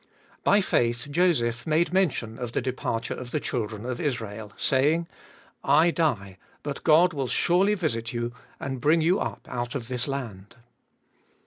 By faith Joseph made mention of the departure of the children of Israel saying, " I die, but God will surely visit you, and bring you up out of this land."